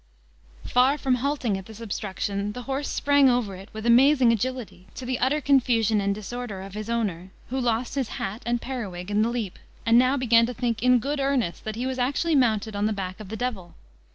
Far from halting at this obstruction, the horse sprang over it with amazing agility, to the utter confusion and disorder of his owner, who lost his hat and periwig in the leap, and now began to think, in good earnest, that he was actually mounted on the back of the devil.